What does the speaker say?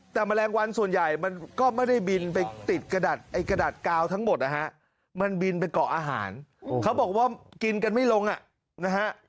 แต่แมลงวันส่วนใหญ่มันก็ไม่ได้บินไปติดกระดาษไอ้กระดาษกาวทั้งหมดนะฮะมันบินไปเกาะอาหารเขาบอกว่ากินกันไม่ลงอ่ะนะฮะ